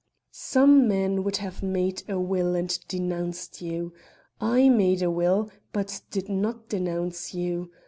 "Some men would have made a will and denounced you. I made a will, but did not denounce you.